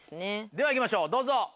ではいきましょうどうぞ。